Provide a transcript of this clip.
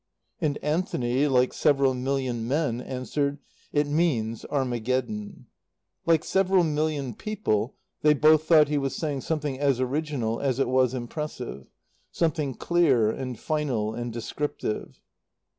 And Anthony, like several million men, answered, "It means Armageddon." Like several million people, they both thought he was saying something as original as it was impressive, something clear and final and descriptive.